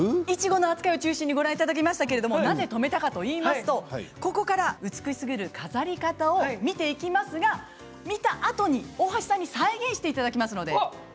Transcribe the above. いちごの扱いを中心にご覧いただきましたけれどもなぜ止めたかといいますとここから美しすぎる飾り方を見ていきますが見たあとに大橋さんに再現していただきますので。